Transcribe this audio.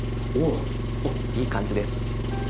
おいい感じです。